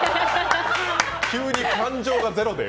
急に感情がゼロで。